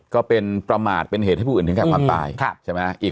ก็เป็นประมาทเป็นเหตุให้ผู้อื่นถึงแก่ความตายใช่ไหม